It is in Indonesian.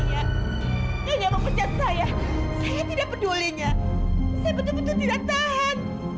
nyonya mempercayai saya saya tidak pedulinya saya betul betul tidak tahan